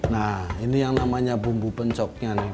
nah ini yang namanya bumbu pencoknya nih